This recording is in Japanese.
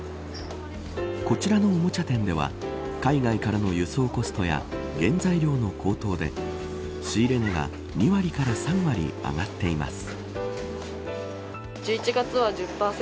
こちらのおもちゃ店では海外からの輸送コストや原材料の高騰で仕入れ値が２割から３割上がっています。